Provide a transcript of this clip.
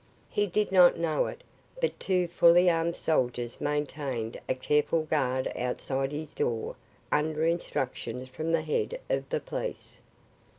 He did not know it, but two fully armed soldiers maintained a careful guard outside his door under instructions from the head of the police.